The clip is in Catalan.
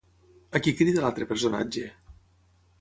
A qui crida l'altre personatge?